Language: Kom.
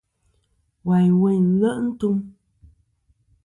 Wayn weyn nle' ntum.